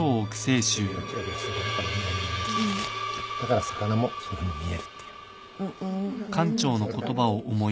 だから魚もそういうふうに見えるっていう。